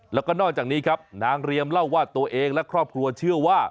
แล้วก็นอกจากนี้ครับนางเรียมเล่าว่าตัวเองและครอบครัวเชื่อว่า